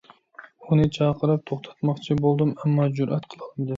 ئۇنى چاقىرىپ توختاتماقچى بولدۇم، ئەمما جۈرئەت قىلالمىدىم.